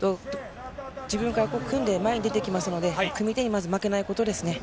自分から組んで前に出てきますので組み手に負けないことです。